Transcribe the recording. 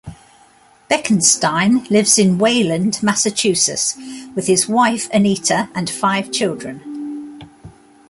Bekenstein lives in Wayland, Massachusetts, with his wife, Anita, and five children.